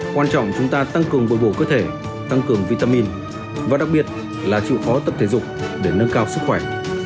quan trọng chúng ta tăng cường bồi bổ cơ thể tăng cường vitamin và đặc biệt là chịu khó tập thể dục để nâng cao sức khỏe